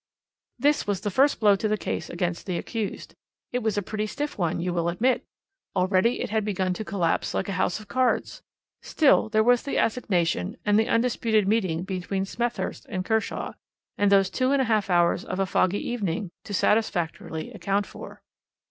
"This was the first blow to the case against the accused. It was a pretty stiff one, you will admit. Already it had begun to collapse like a house of cards. Still, there was the assignation, and the undisputed meeting between Smethurst and Kershaw, and those two and a half hours of a foggy evening to satisfactorily account for."